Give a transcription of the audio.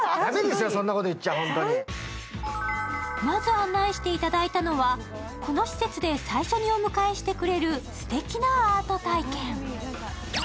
まず案内していただいたのは、この施設で最初にお迎えしてくれるすてきなアート体験。